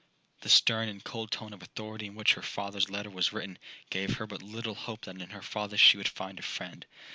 'The stern and cold tone of authority in which her father's letter was written, gave her but little hope that in her father she would find a friend.